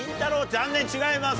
残念違います。